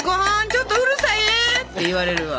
ちょっとうるさいえ！」って言われるわ。